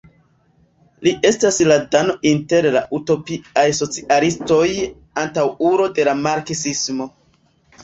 Li estas la Dano inter la “utopiaj socialistoj”, antaŭulo de la marksismo.